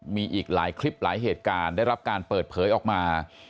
มีอีกหลายคลิปหลายเหตุการณ์ได้รับการเปิดเผยออกมา